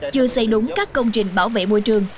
chưa xây đúng các công trình bảo vệ môi trường